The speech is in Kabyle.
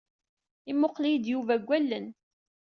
Imuqqel-iyi-d Yuba deg wallen.